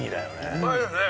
うまいですね。